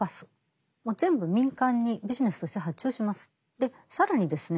で更にですね